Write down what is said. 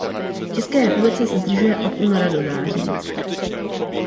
V České republice se zdržuje od února do září.